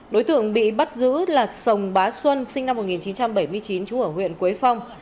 đối tượng bị bắt giữ là sồng bá xuân sinh năm một nghìn chín trăm bảy mươi chín trú ở huyện quế phong